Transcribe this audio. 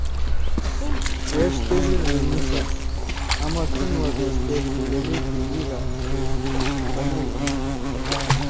کیݜ تیزید ڙینگُوسأد: ”آما کھن وا بیشتے پُھلولے پھیگی دا تُو بنَدُو نأ!